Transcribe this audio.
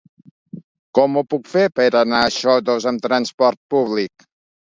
Com ho puc fer per anar a Xodos amb transport públic?